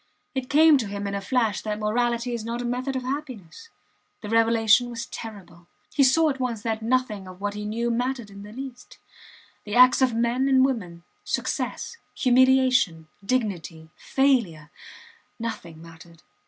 It came to him in a flash that morality is not a method of happiness. The revelation was terrible. He saw at once that nothing of what he knew mattered in the least. The acts of men and women, success, humiliation, dignity, failure nothing mattered.